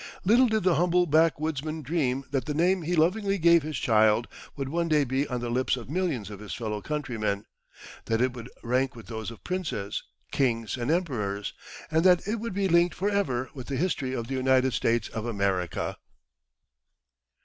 Little did the humble backwoodsman dream that the name he lovingly gave his child would one day be on the lips of millions of his fellow countrymen; that it would rank with those of princes, kings, and emperors; and that it would be linked for ever with the history of the United States of America.